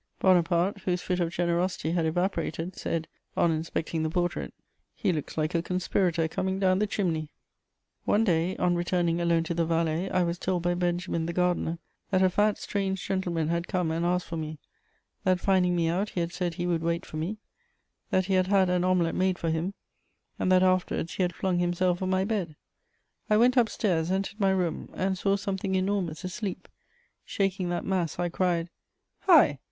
Bonaparte, whose fit of generosity had evaporated, said, on inspecting the portrait: "He looks like a conspirator coming down the chimney." One day, on returning alone to the Vallée, I was told by Benjamin, the gardener, that a fat strange gentleman had come and asked for me; that, finding me out, he had said he would wait for me; that he had had an omelette made for him; and that, afterwards, he had flung himself on my bed. I went upstairs, entered my room, and saw something enormous asleep; shaking that mass, I cried: "Hi!